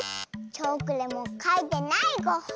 チョークでもかいてないゴッホ。